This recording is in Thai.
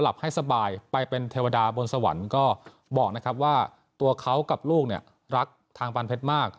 ให้สบายไปเป็นเทวดาบนสวรรค์ก็บอกนะครับว่าตัวเขากับลูกเนี่ยรักทางปานเพชรมาก